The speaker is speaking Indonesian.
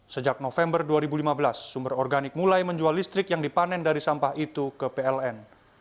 sejak november dua ribu lima belas sumber organik mulai menjual listrik yang dipanen dari sampah itu ke pln